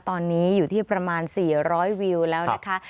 ตอนนี้อยู่ที่ประมาณ๔๐๐วิวแล้วนะคะ